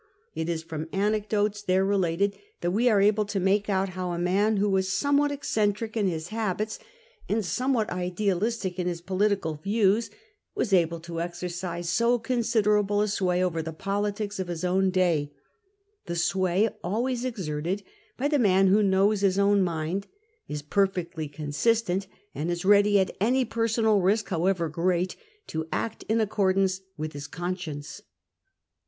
It is from anecdotes there related that we are able to make out how a man who was somewhat eccentric in his habits, and some 2o6 CATO what idealistic in his political views, was able to exercise so considerable a sway over the politics of his own day — the sway always exerted by the man who knows his own mind, is perfectly consistent, and is ready at any personal risk, however great, to act in accordance with his conscience.